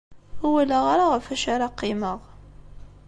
Ur walaɣ ara ɣef wacu ara qqimeɣ.